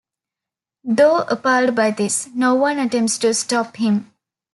Though appalled by this, no one attempts to stop him.